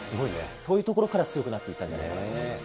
そういうところから強くなっていたんじゃないかなと思います。